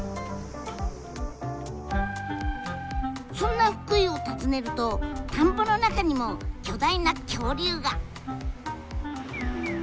そんな福井を訪ねると田んぼの中にも巨大な恐竜が！